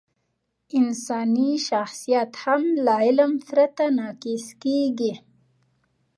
انساني شخصیت هم له علم پرته ناقص کېږي.